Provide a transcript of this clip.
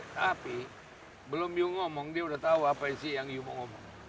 tapi belum you ngomong dia udah tahu apa sih yang you mau ngomong